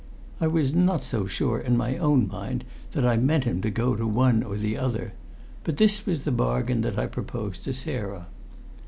I was not so sure in my own mind that I meant him to go to one or the other. But this was the bargain that I proposed to Sarah.